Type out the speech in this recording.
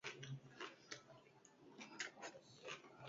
Norbaiten esku egon behar zuen, norbaitek kudeatu behar zuen.